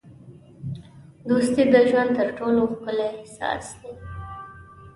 دوستي د ژوند تر ټولو ښکلی احساس دی.